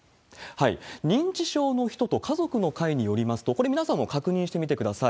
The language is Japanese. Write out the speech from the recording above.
認知症の人と家族の会によりますと、これ、皆さんも確認してみてください。